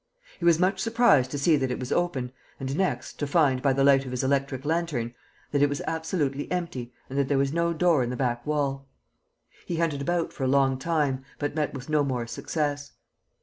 He was much surprised to see that it was open and, next, to find, by the light of his electric lantern, that it was absolutely empty and that there was no door in the back wall. He hunted about for a long time, but met with no more success.